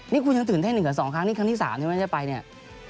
นี่คุณยังตื่นเต้น๑กับ๒ครั้งนี่ครั้งที่๓ใช่ไหมจะไปเนี่ย